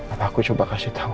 apa aku coba kasih tahu